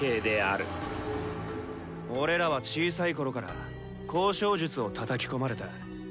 俺らは小さい頃から「交渉術」をたたき込まれた。